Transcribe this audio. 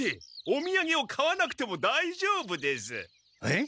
おみやげを買わなくてもだいじょうぶです。え？